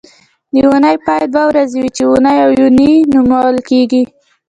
د اونۍ پای دوه ورځې وي چې اونۍ او یونۍ نومول کېږي